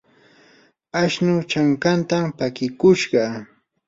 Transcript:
ashnuu chankantam pakikushqa.